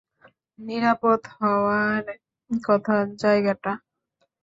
নিরাপদ হওয়ার কথা জায়গাটা।